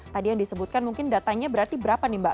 tadi yang disebutkan mungkin datanya berarti berapa nih mbak